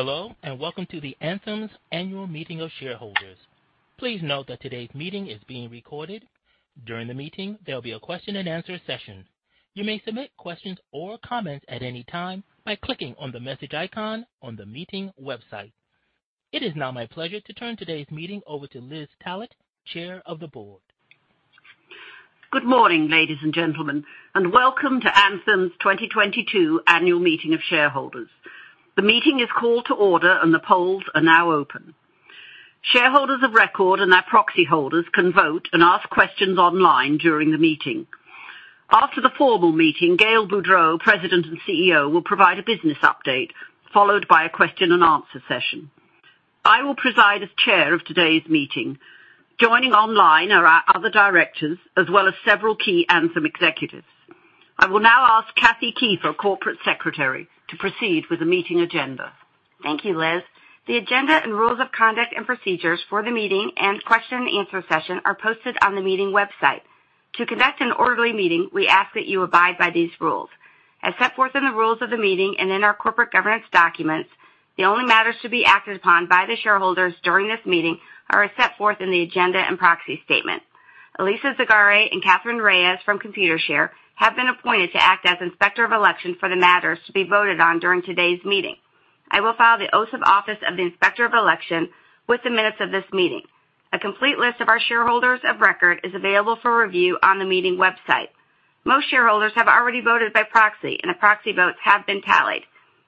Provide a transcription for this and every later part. Hello, and welcome to Elevance Health's Annual Meeting of Shareholders. Please note that today's meeting is being recorded. During the meeting, there will be a question and answer session. You may submit questions or comments at any time by clicking on the message icon on the meeting website. It is now my pleasure to turn today's meeting over to Elizabeth Tallett, Chair of the Board. Good morning, ladies and gentlemen, and welcome to Anthem's 2022 Annual Meeting of Shareholders. The meeting is called to order and the polls are now open. Shareholders of record and their proxy holders can vote and ask questions online during the meeting. After the formal meeting, Gail Boudreaux, President and CEO, will provide a business update, followed by a question and answer session. I will preside as Chair of today's meeting. Joining online are our other directors as well as several key Anthem executives. I will now ask Kathleen Kiefer, Corporate Secretary, to proceed with the meeting agenda. Thank you, Liz. The agenda and rules of conduct and procedures for the meeting and question and answer session are posted on the meeting website. To conduct an orderly meeting, we ask that you abide by these rules. As set forth in the rules of the meeting and in our corporate governance documents, the only matters to be acted upon by the shareholders during this meeting are as set forth in the agenda and proxy statement. Alisa Zagare and Catherine Reyes from Computershare have been appointed to act as Inspector of Election for the matters to be voted on during today's meeting. I will file the oaths of office of the Inspector of Election with the minutes of this meeting. A complete list of our shareholders of record is available for review on the meeting website. Most shareholders have already voted by proxy, and the proxy votes have been tallied.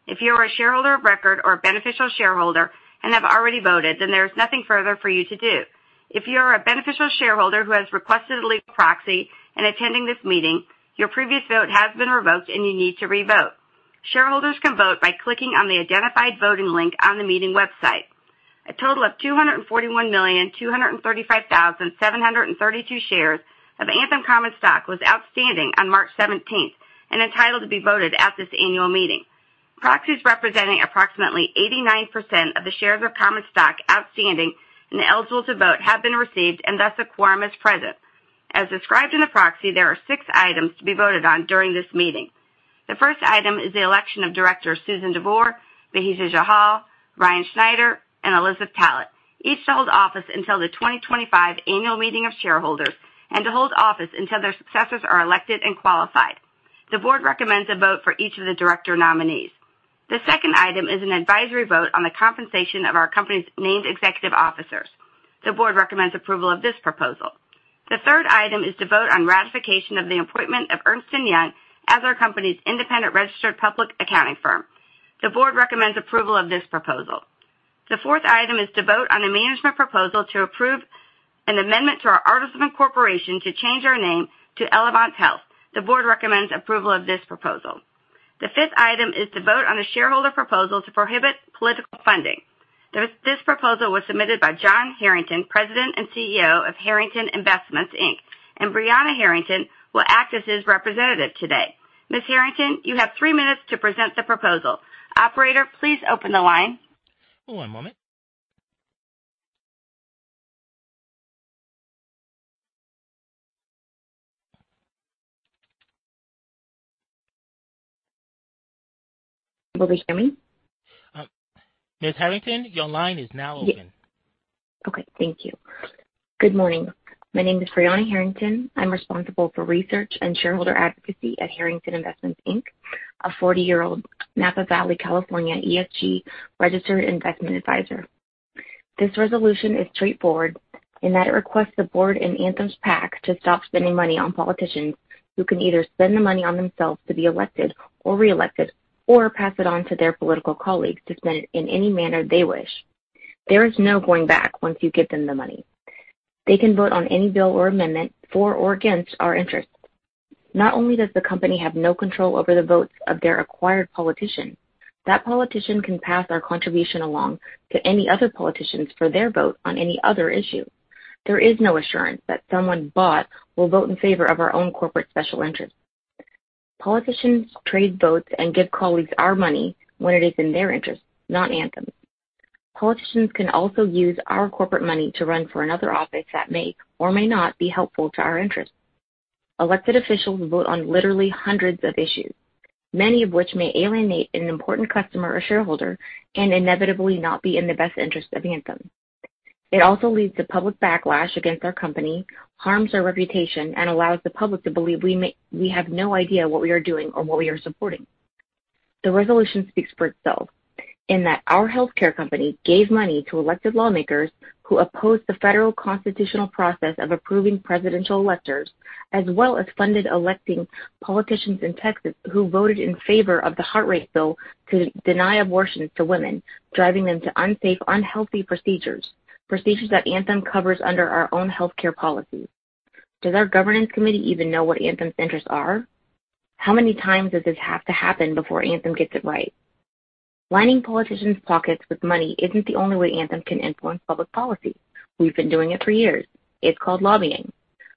If you are a shareholder of record or a beneficial shareholder and have already voted, then there is nothing further for you to do. If you are a beneficial shareholder who has requested a legal proxy in attending this meeting, your previous vote has been revoked and you need to revote. Shareholders can vote by clicking on the identified voting link on the meeting website. A total of 241,235,732 shares of Anthem common stock was outstanding on March seventeenth and entitled to be voted at this annual meeting. Proxies representing approximately 89% of the shares of common stock outstanding and eligible to vote have been received, and thus a quorum is present. As described in the proxy, there are six items to be voted on during this meeting. The first item is the election of directors Susan DeVore, Bahija Jallal, Ryan Schneider, and Elizabeth Tallett, each to hold office until the 2025 annual meeting of shareholders and to hold office until their successors are elected and qualified. The board recommends a vote for each of the director nominees. The second item is an advisory vote on the compensation of our company's named executive officers. The board recommends approval of this proposal. The third item is to vote on ratification of the appointment of Ernst & Young as our company's independent registered public accounting firm. The board recommends approval of this proposal. The fourth item is to vote on a management proposal to approve an amendment to our articles of incorporation to change our name to Elevance Health. The board recommends approval of this proposal. The fifth item is to vote on a shareholder proposal to prohibit political funding. This proposal was submitted by John Harrington, President and CEO of Harrington Investments, Inc. Briana Harrington will act as his representative today. Ms. Harrington, you have three minutes to present the proposal. Operator, please open the line. One moment. Will you hear me? Ms. Harrington, your line is now open. Okay. Thank you. Good morning. My name is Briana Harrington. I'm responsible for research and shareholder advocacy at Harrington Investments Inc., a 40-year-old Napa Valley, California, ESG registered investment advisor. This resolution is straightforward in that it requests the board and Anthem's PAC to stop spending money on politicians who can either spend the money on themselves to be elected or reelected or pass it on to their political colleagues to spend it in any manner they wish. There is no going back once you give them the money. They can vote on any bill or amendment for or against our interests. Not only does the company have no control over the votes of their acquired politician, that politician can pass our contribution along to any other politicians for their vote on any other issue. There is no assurance that someone bought will vote in favor of our own corporate special interests. Politicians trade votes and give colleagues our money when it is in their interests, not Anthem's. Politicians can also use our corporate money to run for another office that may or may not be helpful to our interests. Elected officials vote on literally hundreds of issues, many of which may alienate an important customer or shareholder and inevitably not be in the best interest of Anthem. It also leads to public backlash against our company, harms our reputation, and allows the public to believe we have no idea what we are doing or what we are supporting. The resolution speaks for itself in that our healthcare company gave money to elected lawmakers who opposed the federal constitutional process of approving presidential electors, as well as funded electing politicians in Texas who voted in favor of the Heartbeat Act to deny abortions to women, driving them to unsafe, unhealthy procedures that Anthem covers under our own healthcare policies. Does our governance committee even know what Anthem's interests are? How many times does this have to happen before Anthem gets it right? Lining politicians' pockets with money isn't the only way Anthem can influence public policy. We've been doing it for years. It's called lobbying.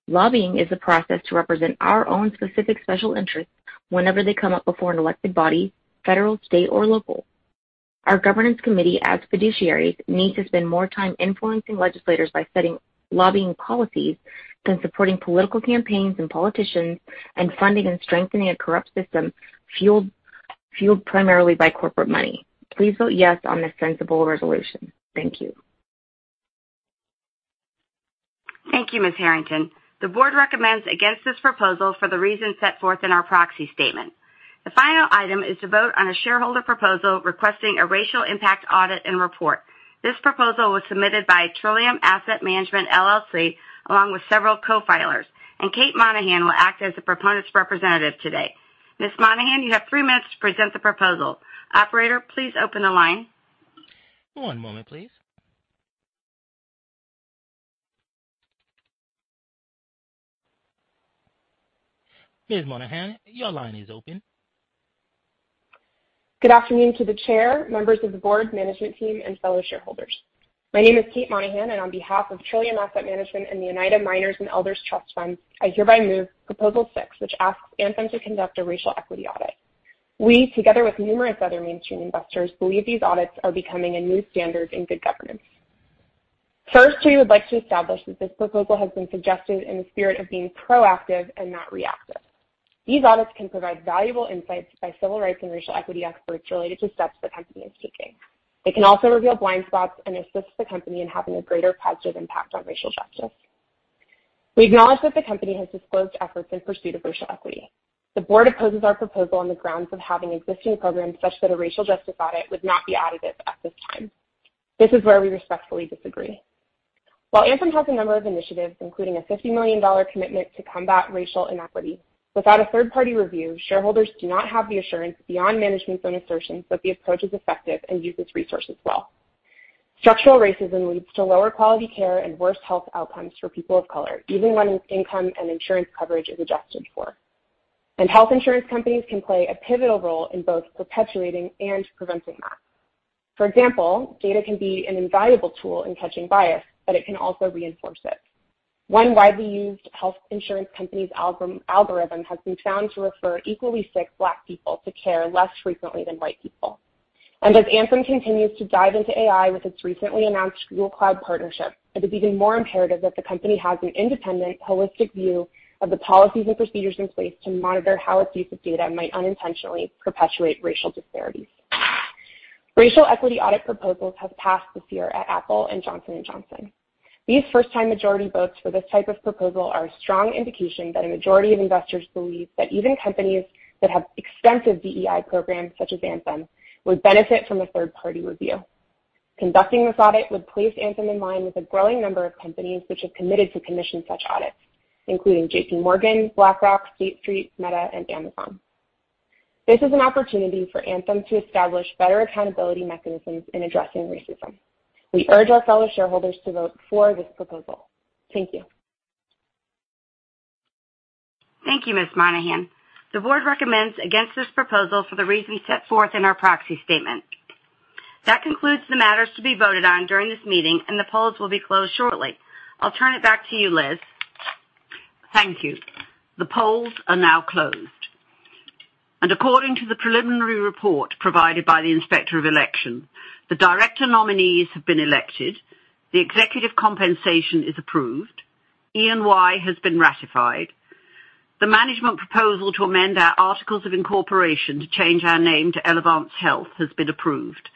Lobbying is the process to represent our own specific special interests whenever they come up before an elected body, federal, state, or local. Our governance committee, as fiduciaries, needs to spend more time influencing legislators by setting lobbying policies than supporting political campaigns and politicians and funding and strengthening a corrupt system fueled primarily by corporate money. Please vote yes on this sensible resolution. Thank you. Thank you, Ms. Harrington. The board recommends against this proposal for the reasons set forth in our proxy statement. The final item is to vote on a shareholder proposal requesting a racial impact audit and report. This proposal was submitted by Trillium Asset Management, LLC along with several co-filers, and Kate Monahan will act as the proponents representative today. Ms. Monahan, you have three minutes to present the proposal. Operator, please open the line. One moment, please. Ms. Monahan, your line is open. Good afternoon to the chair, members of the board, management team, and fellow shareholders. My name is Kate Monahan, and on behalf of Trillium Asset Management and the Oneida Nation Elders Trust, I hereby move Proposal Six, which asks Anthem to conduct a racial equity audit. We, together with numerous other mainstream investors, believe these audits are becoming a new standard in good governance. First, we would like to establish that this proposal has been suggested in the spirit of being proactive and not reactive. These audits can provide valuable insights by civil rights and racial equity experts related to steps the company is taking. It can also reveal blind spots and assist the company in having a greater positive impact on racial justice. We acknowledge that the company has disclosed efforts in pursuit of racial equity. The board opposes our proposal on the grounds of having existing programs such that a racial justice audit would not be additive at this time. This is where we respectfully disagree. While Elevance Health has a number of initiatives, including a $50 million commitment to combat racial inequity, without a third-party review, shareholders do not have the assurance beyond management's own assertions that the approach is effective and uses resources well. Structural racism leads to lower quality care and worse health outcomes for people of color, even when income and insurance coverage is adjusted for. Health insurance companies can play a pivotal role in both perpetuating and preventing that. For example, data can be an invaluable tool in catching bias, but it can also reinforce it. One widely used health insurance company's algorithm has been found to refer equally sick Black people to care less frequently than white people. As Anthem continues to dive into AI with its recently announced Google Cloud partnership, it is even more imperative that the company has an independent, holistic view of the policies and procedures in place to monitor how its use of data might unintentionally perpetuate racial disparities. Racial equity audit proposals have passed this year at Apple and Johnson & Johnson. These first-time majority votes for this type of proposal are a strong indication that a majority of investors believe that even companies that have extensive DEI programs, such as Anthem, would benefit from a third-party review. Conducting this audit would place Anthem in line with a growing number of companies which have committed to commission such audits, including JPMorgan, BlackRock, State Street, Meta, and Amazon. This is an opportunity for Anthem to establish better accountability mechanisms in addressing racism. We urge our fellow shareholders to vote for this proposal. Thank you. Thank you, Ms. Monahan. The board recommends against this proposal for the reasons set forth in our proxy statement. That concludes the matters to be voted on during this meeting, and the polls will be closed shortly. I'll turn it back to you, Liz. Thank you. The polls are now closed. According to the preliminary report provided by the Inspector of Election, the director nominees have been elected, the executive compensation is approved, E&Y has been ratified. The management proposal to amend our articles of incorporation to change our name to Elevance Health has been approved.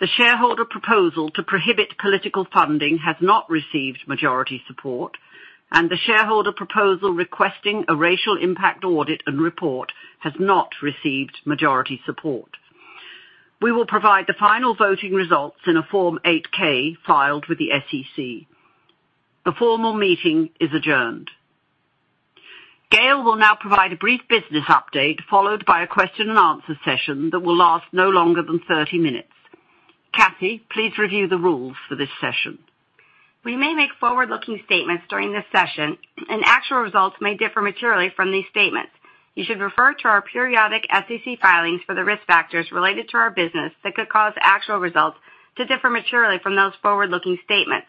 The shareholder proposal to prohibit political funding has not received majority support, and the shareholder proposal requesting a racial impact audit and report has not received majority support. We will provide the final voting results in a Form 8-K filed with the SEC. The formal meeting is adjourned. Gail will now provide a brief business update followed by a question and answer session that will last no longer than 30 minutes. Kathy, please review the rules for this session. We may make forward-looking statements during this session, and actual results may differ materially from these statements. You should refer to our periodic SEC filings for the risk factors related to our business that could cause actual results to differ materially from those forward-looking statements.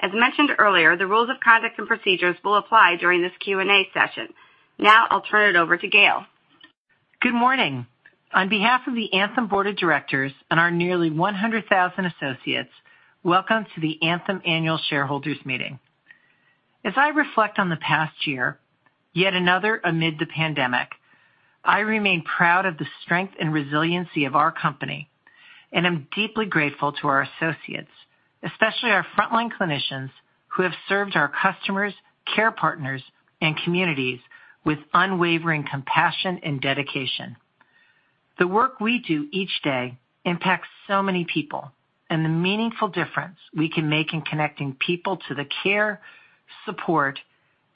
As mentioned earlier, the rules of conduct and procedures will apply during this Q&A session. Now I'll turn it over to Gail. Good morning. On behalf of the Elevance Health Board of Directors and our nearly 100,000 associates, welcome to the Elevance Health Annual Shareholders Meeting. As I reflect on the past year, yet another amid the pandemic, I remain proud of the strength and resiliency of our company, and I'm deeply grateful to our associates, especially our frontline clinicians who have served our customers, care partners, and communities with unwavering compassion and dedication. The work we do each day impacts so many people, and the meaningful difference we can make in connecting people to the care, support,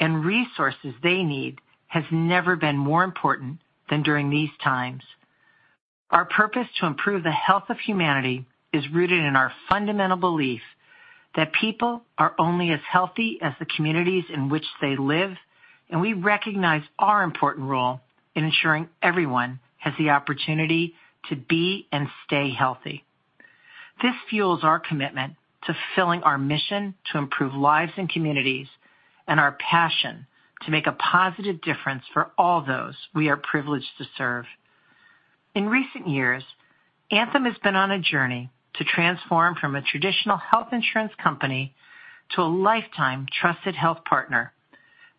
and resources they need has never been more important than during these times. Our purpose to improve the health of humanity is rooted in our fundamental belief that people are only as healthy as the communities in which they live, and we recognize our important role in ensuring everyone has the opportunity to be and stay healthy. This fuels our commitment to fulfilling our mission to improve lives and communities and our passion to make a positive difference for all those we are privileged to serve. In recent years, Anthem has been on a journey to transform from a traditional health insurance company to a lifetime trusted health partner.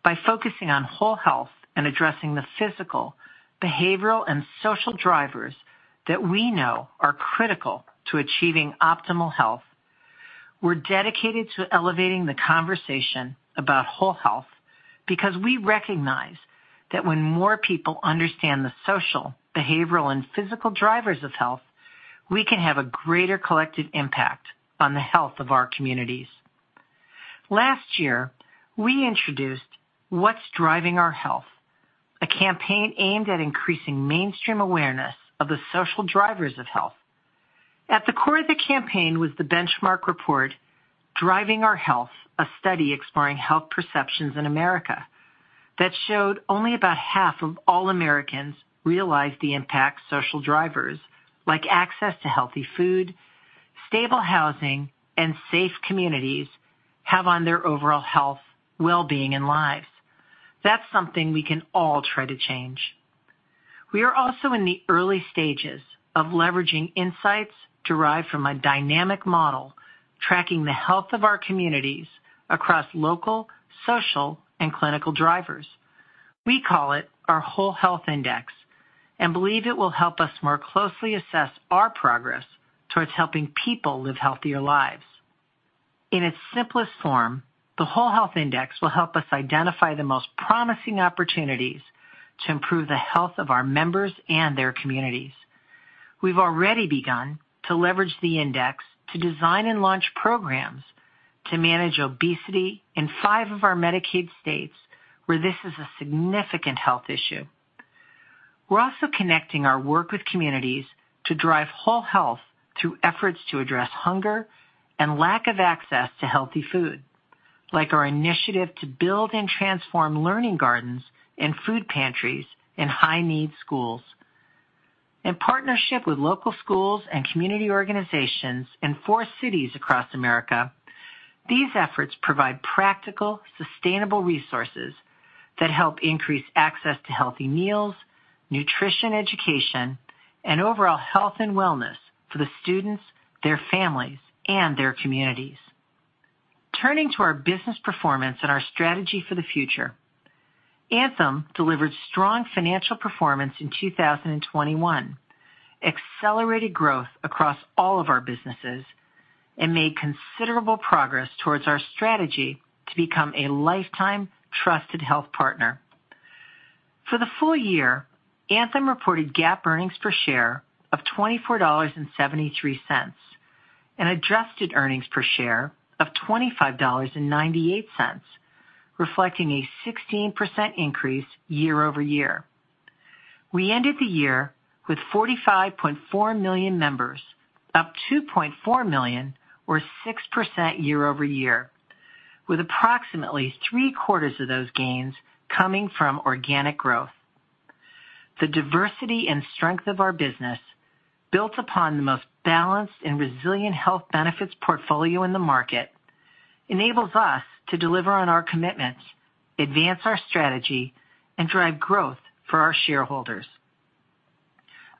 By focusing on whole health and addressing the physical, behavioral, and social drivers that we know are critical to achieving optimal health. We're dedicated to elevating the conversation about whole health because we recognize that when more people understand the social, behavioral, and physical drivers of health, we can have a greater collective impact on the health of our communities. Last year, we introduced What's Driving Our Health, a campaign aimed at increasing mainstream awareness of the social drivers of health. At the core of the campaign was the benchmark report Driving Our Health: A Study Exploring Health Perceptions in America, that showed only about half of all Americans realize the impact social drivers like access to healthy food, stable housing, and safe communities have on their overall health, wellbeing, and lives. That's something we can all try to change. We are also in the early stages of leveraging insights derived from a dynamic model, tracking the health of our communities across local, social, and clinical drivers. We call it our Whole Health Index, and believe it will help us more closely assess our progress towards helping people live healthier lives. In its simplest form, the Whole Health Index will help us identify the most promising opportunities to improve the health of our members and their communities. We've already begun to leverage the index to design and launch programs to manage obesity in five of our Medicaid states where this is a significant health issue. We're also connecting our work with communities to drive whole health through efforts to address hunger and lack of access to healthy food, like our initiative to build and transform learning gardens and food pantries in high-need schools. In partnership with local schools and community organizations in four cities across America, these efforts provide practical, sustainable resources that help increase access to healthy meals, nutrition education, and overall health and wellness for the students, their families, and their communities. Turning to our business performance and our strategy for the future, Anthem delivered strong financial performance in 2021, accelerated growth across all of our businesses, and made considerable progress towards our strategy to become a lifetime trusted health partner. For the full year, Anthem reported GAAP earnings per share of $24.73, and adjusted earnings per share of $25.98, reflecting a 16% increase year-over-year. We ended the year with 45.4 million members, up 2.4 million or 6% year-over-year, with approximately three-quarters of those gains coming from organic growth. The diversity and strength of our business, built upon the most balanced and resilient health benefits portfolio in the market, enables us to deliver on our commitments, advance our strategy, and drive growth for our shareholders.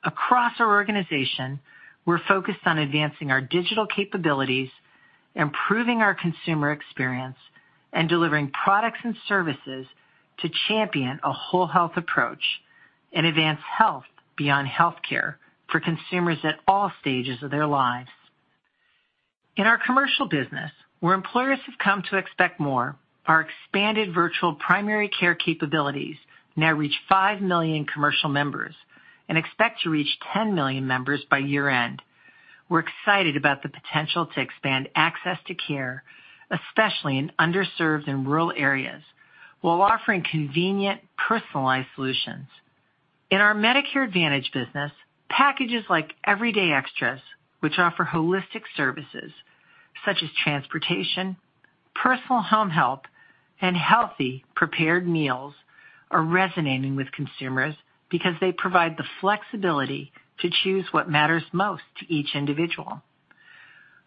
Across our organization, we're focused on advancing our digital capabilities, improving our consumer experience, and delivering products and services to champion a whole health approach and advance health beyond healthcare for consumers at all stages of their lives. In our commercial business, where employers have come to expect more, our expanded virtual primary care capabilities now reach 5 million commercial members and expect to reach 10 million members by year-end. We're excited about the potential to expand access to care, especially in underserved and rural areas, while offering convenient, personalized solutions. In our Medicare Advantage business, packages like Everyday Extras, which offer holistic services such as transportation, personal home health, and healthy prepared meals, are resonating with consumers because they provide the flexibility to choose what matters most to each individual.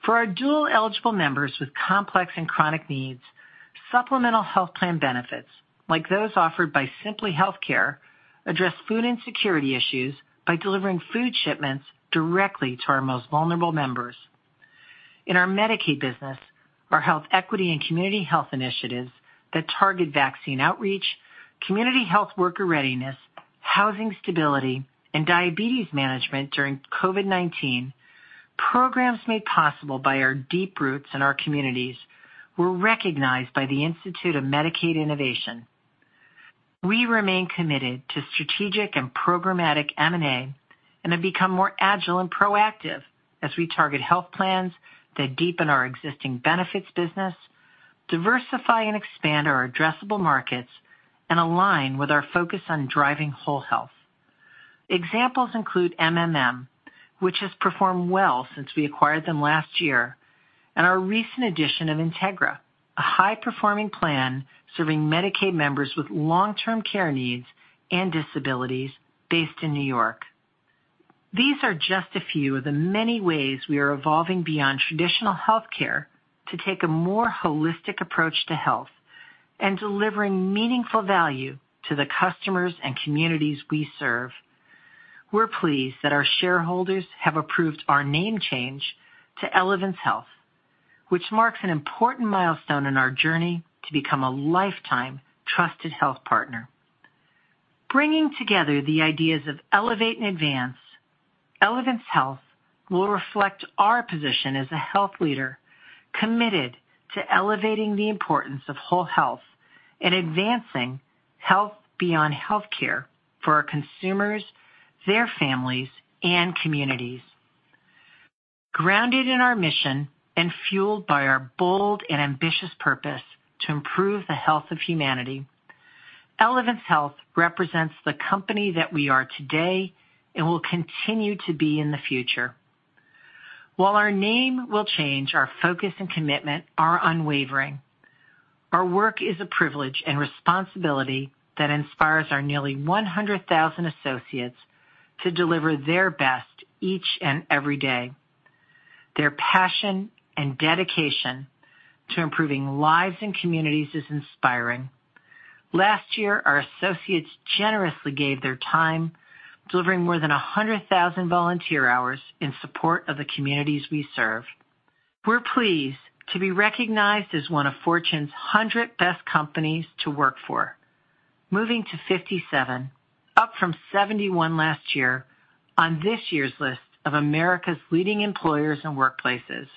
For our dual-eligible members with complex and chronic needs, supplemental health plan benefits like those offered by Simply Healthcare address food insecurity issues by delivering food shipments directly to our most vulnerable members. In our Medicaid business, our health equity and community health initiatives that target vaccine outreach, community health worker readiness, housing stability, and diabetes management during COVID-19, programs made possible by our deep roots in our communities were recognized by the Institute for Medicaid Innovation. We remain committed to strategic and programmatic M&A and have become more agile and proactive as we target health plans that deepen our existing benefits business, diversify and expand our addressable markets, and align with our focus on driving whole health. Examples include MMM, which has performed well since we acquired them last year, and our recent addition of Integra, a high-performing plan serving Medicaid members with long-term care needs and disabilities based in New York. These are just a few of the many ways we are evolving beyond traditional healthcare to take a more holistic approach to health and delivering meaningful value to the customers and communities we serve. We're pleased that our shareholders have approved our name change to Elevance Health, which marks an important milestone in our journey to become a lifetime trusted health partner. Bringing together the ideas of elevate and advance, Elevance Health will reflect our position as a health leader committed to elevating the importance of whole health and advancing health beyond health care for our consumers, their families, and communities. Grounded in our mission and fueled by our bold and ambitious purpose to improve the health of humanity, Elevance Health represents the company that we are today and will continue to be in the future. While our name will change, our focus and commitment are unwavering. Our work is a privilege and responsibility that inspires our nearly 100,000 associates to deliver their best each and every day. Their passion and dedication to improving lives and communities is inspiring. Last year, our associates generously gave their time, delivering more than 100,000 volunteer hours in support of the communities we serve. We're pleased to be recognized as one of Fortune's 100 best companies to work for. Moving to 57, up from 71 last year on this year's list of America's leading employers and workplaces.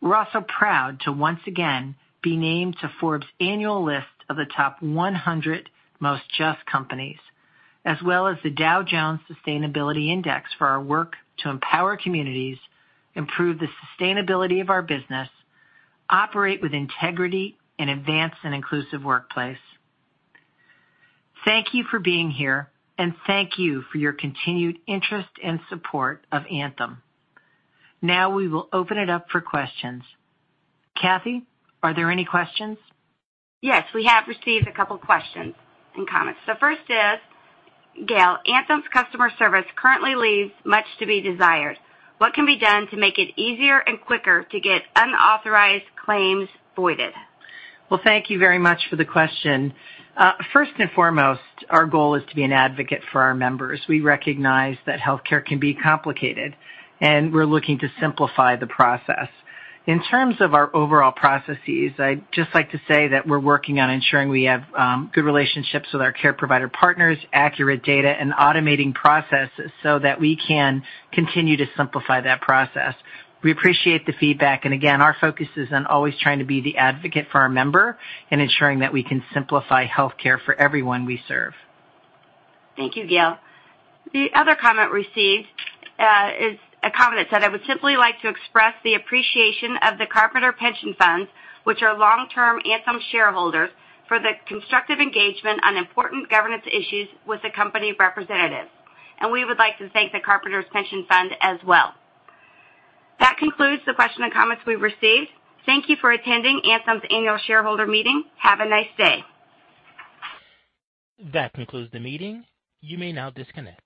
We're also proud to once again be named to Forbes annual list of the top 100 most just companies, as well as the Dow Jones Sustainability Index for our work to empower communities, improve the sustainability of our business, operate with integrity, and advance an inclusive workplace. Thank you for being here, and thank you for your continued interest and support of Anthem. Now we will open it up for questions. Kathy, are there any questions? Yes, we have received a couple questions and comments. The first is, "Gail, Anthem's customer service currently leaves much to be desired. What can be done to make it easier and quicker to get unauthorized claims voided? Well, thank you very much for the question. First and foremost, our goal is to be an advocate for our members. We recognize that healthcare can be complicated, and we're looking to simplify the process. In terms of our overall processes, I'd just like to say that we're working on ensuring we have good relationships with our care provider partners, accurate data, and automating processes so that we can continue to simplify that process. We appreciate the feedback, and again, our focus is on always trying to be the advocate for our member in ensuring that we can simplify healthcare for everyone we serve. Thank you, Gail. The other comment received is a comment that said, "I would simply like to express the appreciation of the Carpenters Pension Funds, which are long-term Anthem shareholders, for the constructive engagement on important governance issues with the company representatives." We would like to thank the Carpenters Pension Fund as well. That concludes the question and comments we've received. Thank you for attending Anthem's annual shareholder meeting. Have a nice day. That concludes the meeting. You may now disconnect.